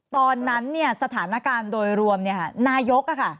ตอนนั้นสถานการณ์โดยรวมนายก